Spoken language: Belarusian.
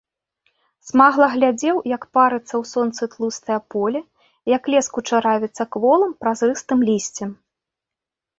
Смагла глядзеў, як парыцца ў сонцы тлустае поле, як лес кучаравіцца кволым, празрыстым лісцем.